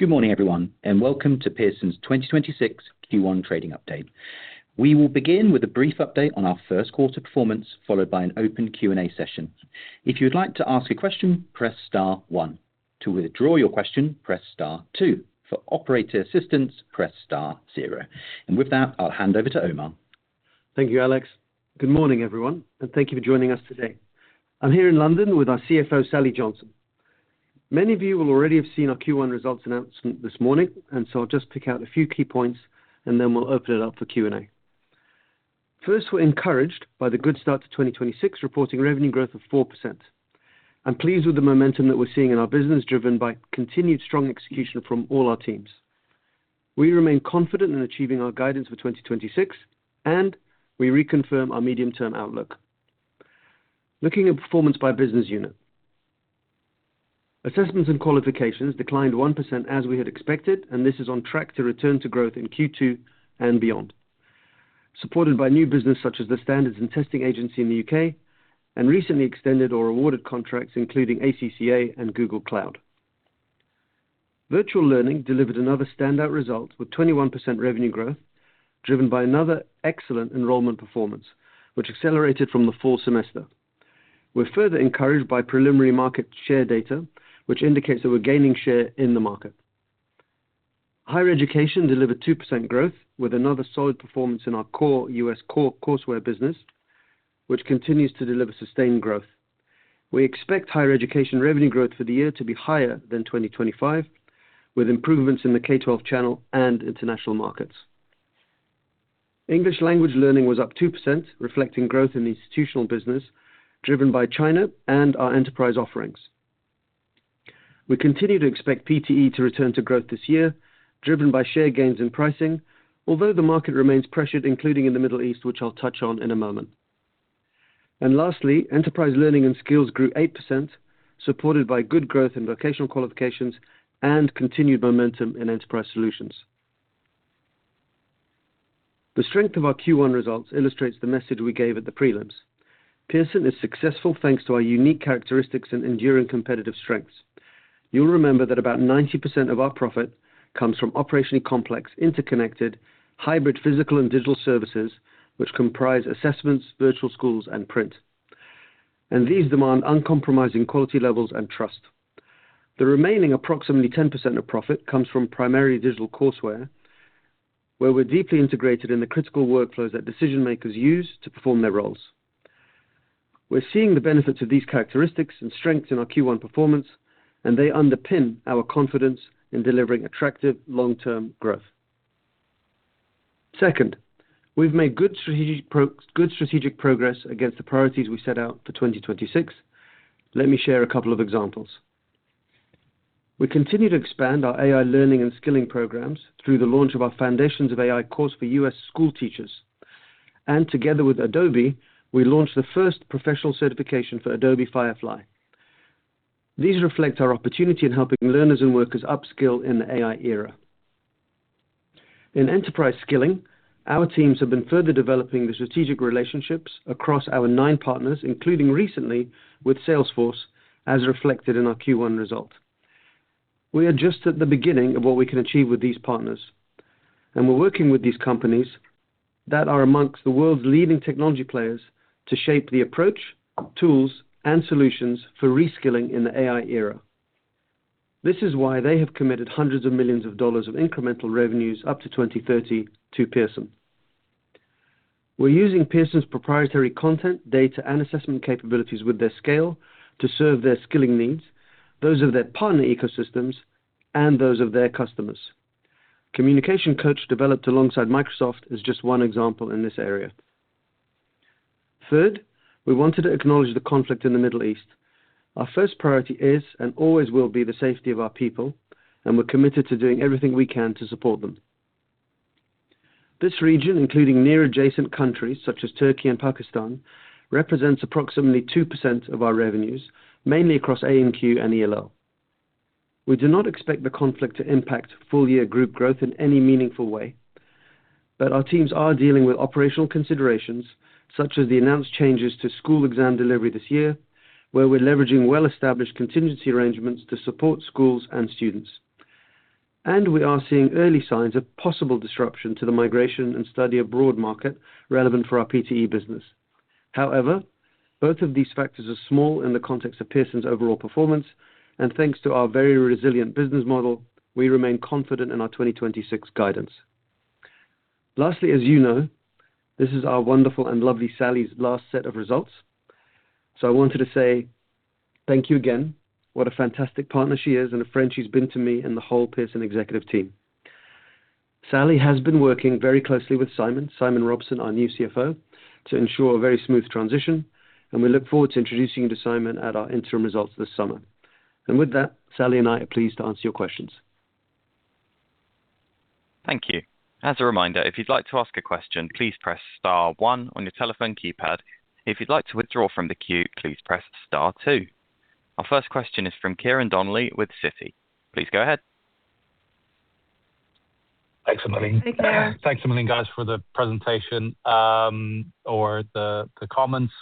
Good morning, everyone, and welcome to Pearson's 2026 Q1 trading update. We will begin with a brief update on our first quarter performance, followed by an open Q&A session. If you would like to ask a question, press star one. To withdraw your question, press star two. For operator assistance, press star zero. With that, I'll hand over to Omar. Thank you, Alex. Good morning, everyone, and thank you for joining us today. I'm here in London with our CFO, Sally Johnson. Many of you will already have seen our Q1 results announcement this morning. I'll just pick out a few key points and then we'll open it up for Q&A. First, we're encouraged by the good start to 2026, reporting revenue growth of 4%, and pleased with the momentum that we're seeing in our business, driven by continued strong execution from all our teams. We remain confident in achieving our guidance for 2026, and we reconfirm our medium-term outlook. Looking at performance by business unit. Assessment & Qualifications declined 1% as we had expected, and this is on track to return to growth in Q2 and beyond, supported by new business such as the Standards and Testing Agency in the U.K. and recently extended or awarded contracts, including ACCA and Google Cloud. Virtual Learning delivered another standout result with 21% revenue growth, driven by another excellent enrollment performance, which accelerated from the fall semester. We're further encouraged by preliminary market share data, which indicates that we're gaining share in the market. Higher Education delivered 2% growth with another solid performance in our U.S. core courseware business, which continues to deliver sustained growth. We expect Higher Education revenue growth for the year to be higher than 2025, with improvements in the K-12 channel and international markets. English Language Learning was up 2%, reflecting growth in the institutional business, driven by China and our enterprise offerings. We continue to expect PTE to return to growth this year, driven by share gains in pricing, although the market remains pressured, including in the Middle East, which I'll touch on in a moment. Lastly, enterprise learning and skills grew 8%, supported by good growth in vocational qualifications and continued momentum in enterprise solutions. The strength of our Q1 results illustrates the message we gave at the prelims. Pearson is successful thanks to our unique characteristics and enduring competitive strengths. You'll remember that about 90% of our profit comes from operationally complex, interconnected, hybrid, physical and digital services, which comprise assessments, virtual schools, and print. These demand uncompromising quality levels and trust. The remaining approximately 10% of profit comes from primarily digital courseware, where we're deeply integrated in the critical workflows that decision-makers use to perform their roles. We're seeing the benefits of these characteristics and strengths in our Q1 performance, and they underpin our confidence in delivering attractive long-term growth. Second, we've made good strategic progress against the priorities we set out for 2026. Let me share a couple of examples. We continue to expand our AI learning and skilling programs through the launch of our Foundations of AI course for U.S. school teachers. Together with Adobe, we launched the first professional certification for Adobe Firefly. These reflect our opportunity in helping learners and workers upskill in the AI era. In enterprise skilling, our teams have been further developing the strategic relationships across our nine partners, including recently with Salesforce, as reflected in our Q1 result. We are just at the beginning of what we can achieve with these partners. We're working with these companies that are amongst the world's leading technology players to shape the approach, tools, and solutions for reskilling in the AI era. This is why they have committed hundreds of millions of dollars of incremental revenues up to 2030 to Pearson. We're using Pearson's proprietary content, data, and assessment capabilities with their scale to serve their skilling needs, those of their partner ecosystems, and those of their customers. Communication Coach, developed alongside Microsoft, is just one example in this area. Third, we wanted to acknowledge the conflict in the Middle East. Our first priority is and always will be the safety of our people, and we're committed to doing everything we can to support them. This region, including near adjacent countries such as Turkey and Pakistan, represents approximately 2% of our revenues, mainly across A&Q and ELL. We do not expect the conflict to impact full-year group growth in any meaningful way. Our teams are dealing with operational considerations, such as the announced changes to school exam delivery this year, where we're leveraging well-established contingency arrangements to support schools and students. We are seeing early signs of possible disruption to the migration and study abroad market relevant for our PTE business. However, both of these factors are small in the context of Pearson's overall performance, and thanks to our very resilient business model, we remain confident in our 2026 guidance. Lastly, as you know, this is our wonderful and lovely Sally's last set of results. I wanted to say thank you again. What a fantastic partner she is and a friend she's been to me and the whole Pearson executive team. Sally has been working very closely with Simon Robson, our new CFO, to ensure a very smooth transition. We look forward to introducing you to Simon at our interim results this summer. With that, Sally and I are pleased to answer your questions. Thank you. As a reminder, if you'd like to ask a question, please press star one on your telephone keypad. If you'd like to withdraw from the queue, please press star two. Our first question is from Ciarán Donnelly with Citi. Please go ahead. Thanks a million. Hi, Ciarán. Thanks a million, guys, for the presentation, or the comments.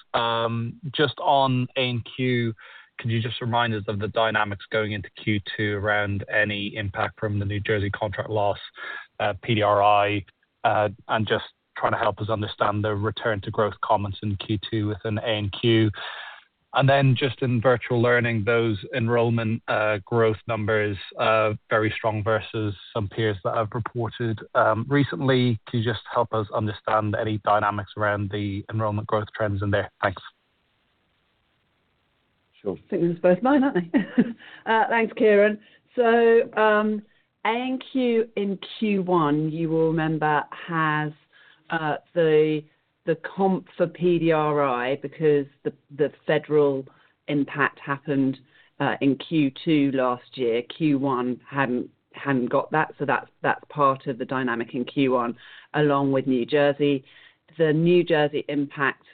Just on A&Q, could you just remind us of the dynamics going into Q2 around any impact from the New Jersey contract loss, PDRI, and just trying to help us understand the return to growth comments in Q2 within A&Q. Just in Virtual Learning, those enrollment, growth numbers are very strong versus some peers that have reported, recently. Can you just help us understand any dynamics around the enrollment growth trends in there? Thanks. Sure. I think this is both mine, aren't they? Thanks, Ciarán. A&Q in Q1, you will remember, has the comp for PDRI because the federal impact happened in Q2 last year. Q1 hadn't got that, so that's part of the dynamic in Q1 along with New Jersey. The New Jersey impact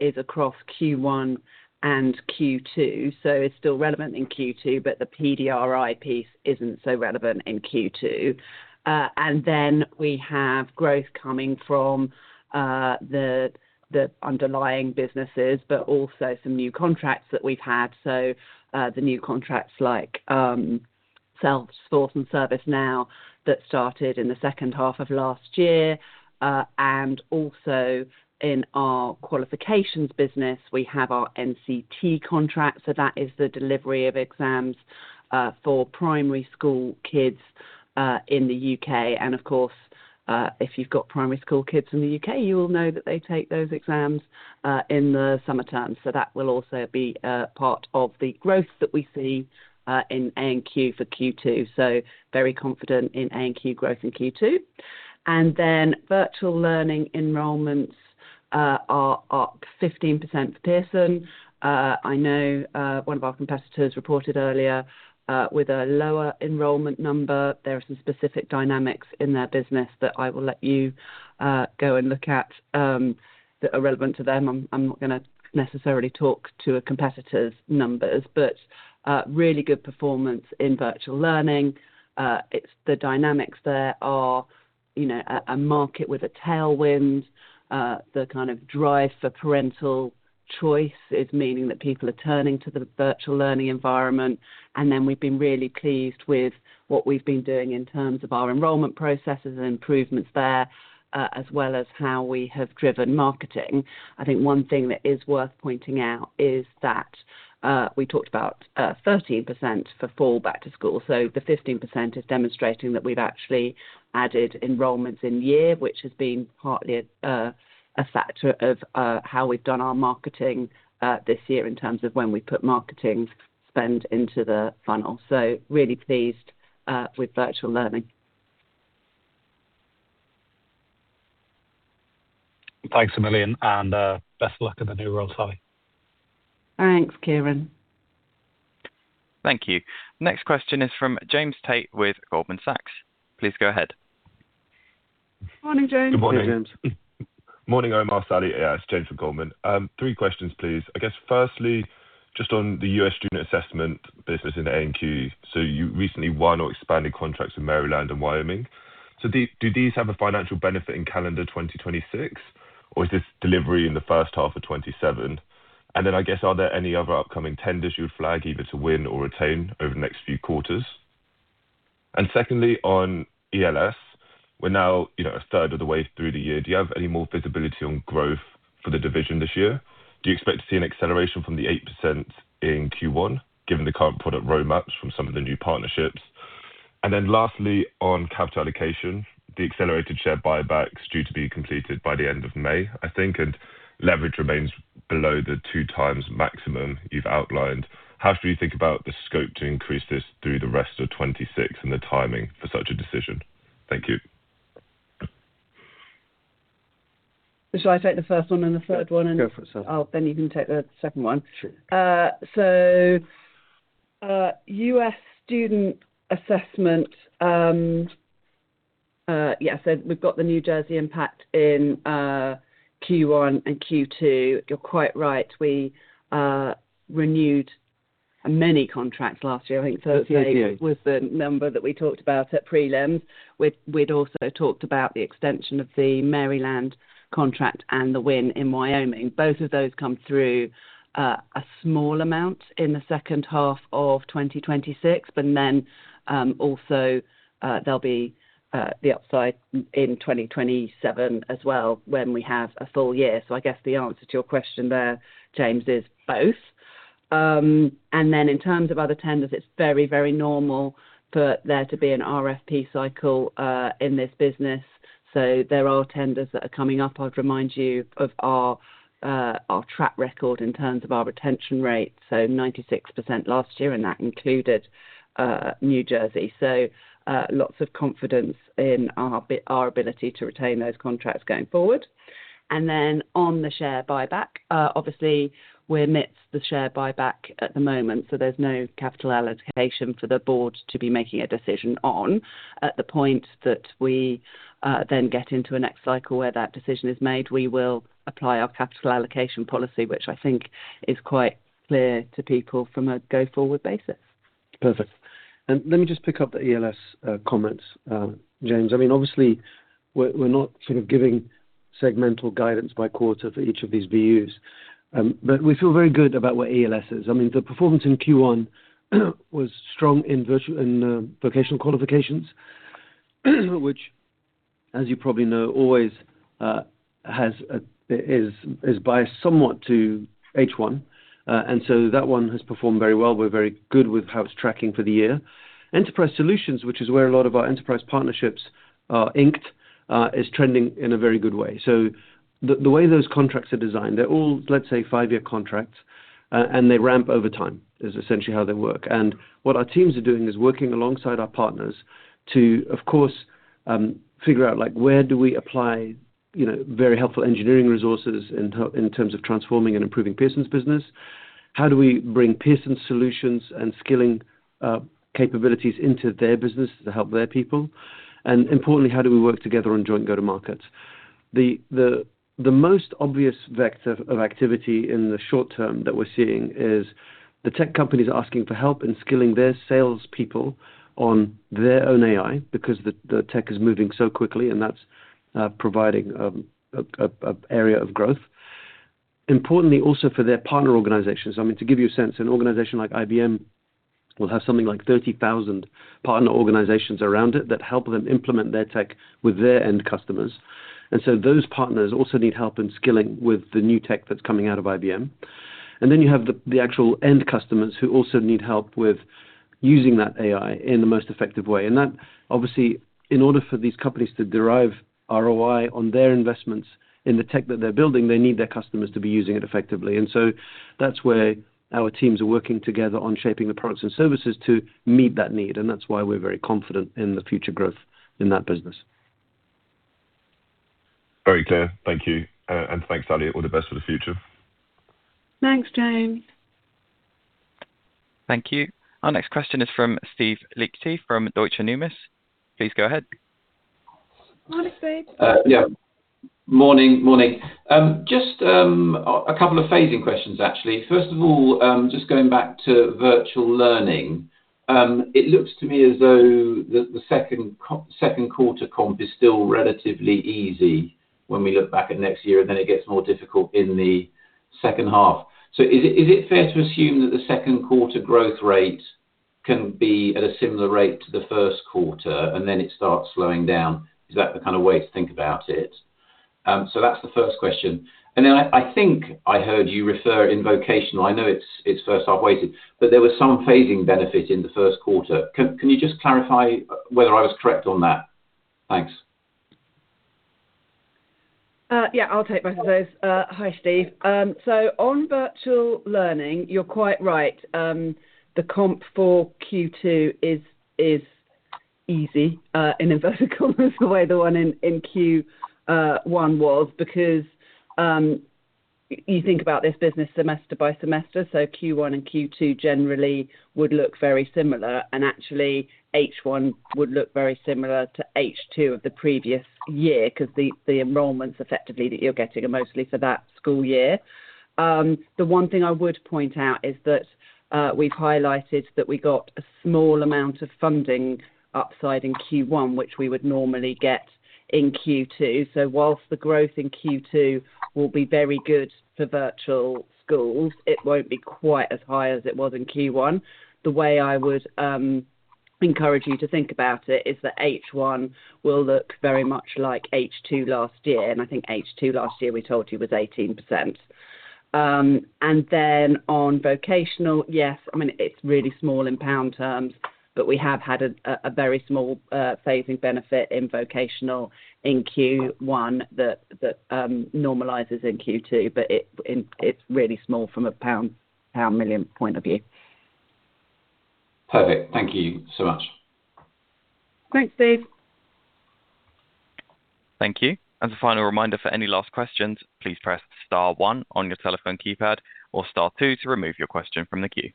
is across Q1 and Q2, so it's still relevant in Q2, but the PDRI piece isn't so relevant in Q2. Then we have growth coming from the underlying businesses, but also some new contracts that we've had. The new contracts like Salesforce and ServiceNow that started in the second half of last year. Also in our qualifications business, we have our NCT contract, so that is the delivery of exams for primary school kids in the U.K. Of course, if you've got primary school kids in the U.K., you will know that they take those exams in the summer term. That will also be part of the growth that we see in A&Q for Q2. Very confident in A&Q growth in Q2. Virtual learning enrollments are up 15% for Pearson. I know one of our competitors reported earlier with a lower enrollment number. There are some specific dynamics in their business that I will let you go and look at that are relevant to them. I'm not gonna necessarily talk to a competitor's numbers, but really good performance in virtual learning. It's the dynamics there are, you know, a market with a tailwind. The kind of drive for parental choice is meaning that people are turning to the Virtual Learning environment. We've been really pleased with what we've been doing in terms of our enrollment processes and improvements there, as well as how we have driven marketing. I think one thing that is worth pointing out is that we talked about 13% for fall back to school. The 15% is demonstrating that we've actually added enrollments in year, which has been partly a factor of how we've done our marketing this year in terms of when we put marketing spend into the funnel. Really pleased with Virtual Learning. Thanks a million and best luck in the new role, Sally. Thanks, Ciarán. Thank you. Next question is from James Tate with Goldman Sachs. Please go ahead. Morning, James. Good morning. Hey, James. Morning, Omar. Sally. Yeah, it's James from Goldman. Three questions, please. I guess firstly, just on the U.S. student assessment business in A&Q. You recently won or expanded contracts in Maryland and Wyoming. Do these have a financial benefit in calendar 2026 or is this delivery in the first half of 2027? I guess, are there any other upcoming tenders you'd flag either to win or retain over the next few quarters? Secondly, on ELS, we're now, you know, a third of the way through the year. Do you have any more visibility on growth for the division this year? Do you expect to see an acceleration from the 8% in Q1, given the current product roadmaps from some of the new partnerships? Lastly, on capital allocation, the accelerated share buybacks due to be completed by the end of May, I think, and leverage remains below the two times maximum you've outlined. How should we think about the scope to increase this through the rest of 2026 and the timing for such a decision? Thank you. Should I take the first one and the third one? Go for it. Oh, you can take the second one. Sure. U.S. student assessment, yes, we've got the New Jersey impact in Q1 and Q2. You're quite right. We renewed many contracts last year. I think 38- 38. was the number that we talked about at prelims. We'd also talked about the extension of the Maryland contract and the win in Wyoming. Both of those come through a small amount in the second half of 2026. Also, there'll be the upside in 2027 as well when we have a full year. I guess the answer to your question there, James, is both. In terms of other tenders, it's very, very normal for there to be an RFP cycle in this business. There are tenders that are coming up. I'd remind you of our track record in terms of our retention rate. 96% last year, and that included New Jersey. Lots of confidence in our ability to retain those contracts going forward. On the share buyback, obviously, we're amidst the share buyback at the moment, so there's no capital allocation for the board to be making a decision on. At the point that we then get into a next cycle where that decision is made, we will apply our capital allocation policy, which I think is quite clear to people from a go-forward basis. Perfect. Let me just pick up the ELS comments, James. I mean, obviously, we're not sort of giving segmental guidance by quarter for each of these VUs. But we feel very good about where ELS is. I mean, the performance in Q1 was strong in virtual and vocational qualifications which, as you probably know, always has a, is biased somewhat to H1. That one has performed very well. We're very good with how it's tracking for the year. Enterprise Solutions, which is where a lot of our enterprise partnerships are inked, is trending in a very good way. The, the way those contracts are designed, they're all, let's say, five-year contracts, and they ramp over time, is essentially how they work. What our teams are doing is working alongside our partners to, of course, figure out, like, where do we apply, you know, very helpful engineering resources in terms of transforming and improving Pearson's business? How do we bring Pearson solutions and skilling capabilities into their business to help their people? Importantly, how do we work together on joint go-to-markets? The most obvious vector of activity in the short term that we're seeing is the tech companies asking for help in skilling their salespeople on their own AI because the tech is moving so quickly, and that's providing a area of growth. Importantly also for their partner organizations. I mean, to give you a sense, an organization like IBM will have something like 30,000 partner organizations around it that help them implement their tech with their end customers. Those partners also need help in skilling with the new tech that's coming out of IBM. You have the actual end customers who also need help with using that AI in the most effective way. Obviously, in order for these companies to derive ROI on their investments in the tech that they're building, they need their customers to be using it effectively. That's where our teams are working together on shaping the products and services to meet that need, and that's why we're very confident in the future growth in that business. Very clear. Thank you. Thanks, Sally Johnson. All the best for the future. Thanks, James. Thank you. Our next question is from Steve Liechti from Deutsche Numis. Please go ahead. Morning, Steve. Yeah. Morning. Just a couple of phasing questions, actually. First of all, just going back to Virtual Learning. It looks to me as though the second quarter comp is still relatively easy when we look back at next year, and then it gets more difficult in the second half. Is it fair to assume that the second quarter growth rate can be at a similar rate to the first quarter and then it starts slowing down? Is that the kind of way to think about it? That's the first question. I think I heard you refer in vocational, I know it's first half weighted, but there was some phasing benefit in the first quarter. Can you just clarify whether I was correct on that? Thanks. Yeah, I'll take both of those. Hi, Steve. On Virtual Learning, you're quite right. The comp for Q2 is easy, in inverted commas the way the one in Q1 was because you think about this business semester by semester. Q1 and Q2 generally would look very similar, and actually H1 would look very similar to H2 of the previous year 'cause the enrollments effectively that you're getting are mostly for that school year. The one thing I would point out is that we've highlighted that we got a small amount of funding upside in Q1, which we would normally get in Q2. Whilst the growth in Q2 will be very good for Virtual Schools, it won't be quite as high as it was in Q1. The way I would encourage you to think about it is that H1 will look very much like H2 last year. I think H2 last year we told you was 18%. Then on vocational, yes, I mean, it's really small in pound terms, but we have had a very small phasing benefit in vocational in Q1 that normalizes in Q2. It's really small from a pound 1 million point of view. Perfect. Thank you so much. Thanks, Steve. Thank you. As a final reminder, for any last questions, please press star one on your telephone keypad or star two to remove your question from the queue.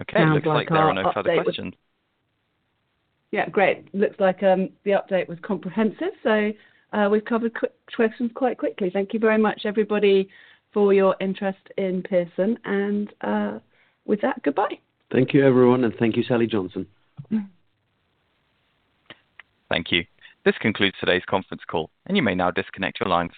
Okay. Looks like there are no further questions. Great. Looks like the update was comprehensive, so we've covered questions quite quickly. Thank you very much everybody for your interest in Pearson. With that, goodbye. Thank you, everyone, and thank you, Sally Johnson. Thank you. This concludes today's conference call, and you may now disconnect your lines.